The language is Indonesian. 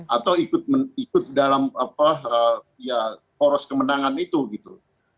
atau ikut dalam poros kemenangan itu gitu